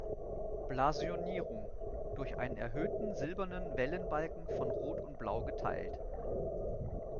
Blasonierung: „Durch einen erhöhten silbernen Wellenbalken von Rot und Blau geteilt.